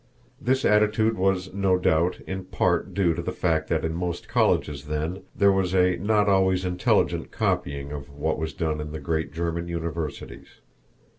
This attitude was, no doubt, in part due to the fact that in most colleges then there was a not always intelligent copying of what was done in the great German universities.